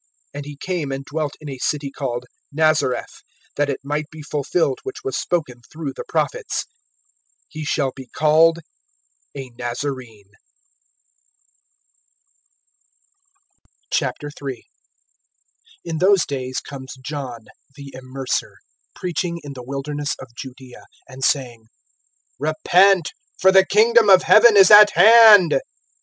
(23)And he came and dwelt in a city called Nazareth; that it might be fulfilled which was spoken through the prophets: He shall be called a Nazarene. III. IN those days comes John the Immerser, preaching in the wilderness of Judaea, (2)and saying: Repent, for the kingdom of heaven is at hand.